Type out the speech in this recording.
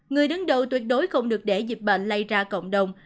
người đứng đầu tuyệt đối không được để dịch bệnh lây ra cộng đồng